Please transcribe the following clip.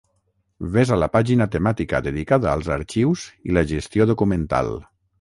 Ves a la pàgina temàtica dedicada als arxius i la gestió documental.